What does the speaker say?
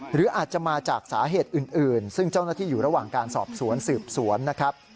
หรืออาจจะมาจากสาเหตุอื่นซึ่งเจ้าหน้าที่อยู่ระหว่างการสอบสวนสืบสวนนะครับ